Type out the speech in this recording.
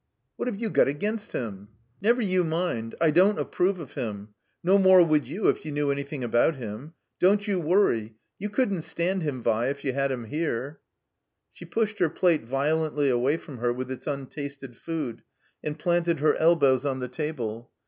"What have you got against him?" "Never you mind. I don't approve of him. No more would you if you knew anjrthing about him. Don't you worry. You couldn't stand him, Vi, if you had him here." She pushed her plate violently away from her with its tmtasted food, and planted her elbows on the table.